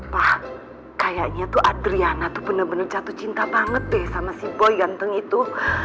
wah kayaknya tuh adriana tuh bener bener jatuh cinta banget deh sama si boy ganteng itu